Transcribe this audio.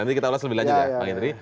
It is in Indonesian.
nanti kita ulas lebih lanjut ya pak henry